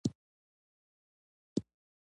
آیا اوس مرستې بشري دي؟